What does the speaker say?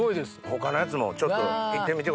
他のやつもちょっといってみてください。